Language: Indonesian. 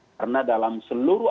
karena dalam seluruh